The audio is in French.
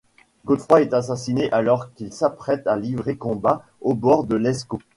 Godefroid est assassiné alors qu'il s'apprête à livrer combat au bord de l'Escaut.